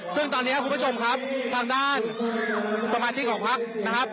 ซึ่งตอนนี้ครับคุณผู้ชมครับทางด้านสมาชิกของพักนะครับ